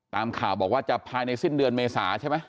ตามข่าวบอกว่าจะภายในสิ้นเดือนเมษาใช่ไหม